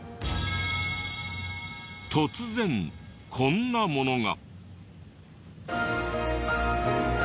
突然こんなものが。